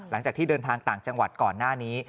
หลังจากที่เดินทางต่างจังหวัดก่อนหน้านี้